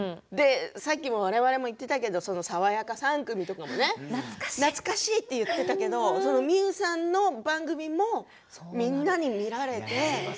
我々も言っていたけど「さわやか３組」とかね懐かしいって言っていたけど望生さんの番組もみんなに見られて。